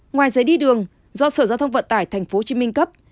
ngoài giấy đi đường do sở giao thông vận tải tp hcm cấp